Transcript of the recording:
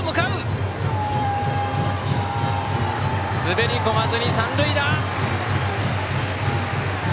滑り込まずに三塁打！